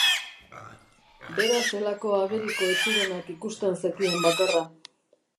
Bera zelako ageriko ez zirenak ikusten zekien bakarra.